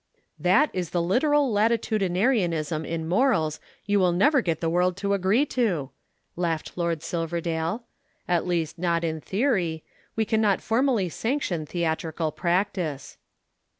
"That is a literal latitudinarianism in morals you will never get the world to agree to," laughed Lord Silverdale. "At least not in theory; we cannot formally sanction theatrical practice."